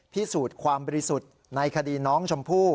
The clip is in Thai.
พิสูจน์ความบริสุทธิ์ในคดีน้องชมพู่